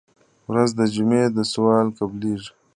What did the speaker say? ورځ د جمعې ده سوال قبلېږي.